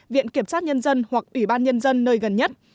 viện kiểm sát nhân dân hoặc ủy ban nhân dân nơi gần nhất